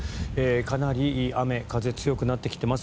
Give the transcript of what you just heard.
かなり雨、風強くなってきています。